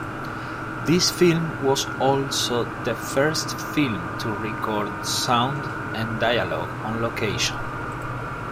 This film was also "the first film to record sound and dialogue on location".